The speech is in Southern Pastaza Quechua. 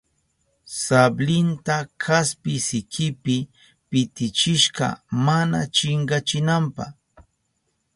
Sablinta kaspi sikipi pitichishka mana chinkachinanpa.